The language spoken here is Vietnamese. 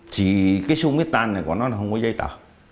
thì cái sung mít tan này của nó là không có giấy tờ